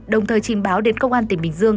đồng thời trình báo đến công an tỉnh bình dương